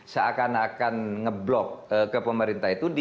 seakan akan ngeblok ke pemerintah itu